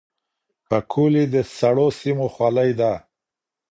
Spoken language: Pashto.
پکولي د سړو سيمو خولۍ ده.